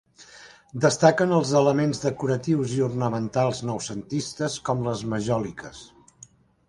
Destaquen els elements decoratius i ornamentals noucentistes com les majòliques.